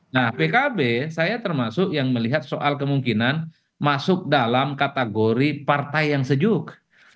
nah pkb saya termasuk yang melihat soal kemungkinan masuk dalam kategori partai yang sejuk